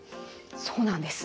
そうなんです。